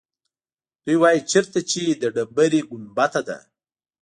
دوی وایيچېرته چې د ډبرې ګنبده ده.